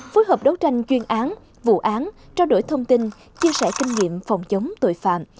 phối hợp đấu tranh chuyên án vụ án trao đổi thông tin chia sẻ kinh nghiệm phòng chống tội phạm